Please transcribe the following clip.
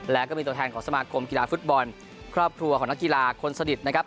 แล้วก็มีตัวแทนของสมาคมกีฬาฟุตบอลครอบครัวของนักกีฬาคนสนิทนะครับ